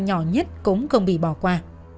là nhỏ nhất cũng không bị bỏ qua